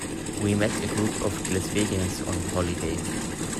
We met a group of Glaswegians on holiday.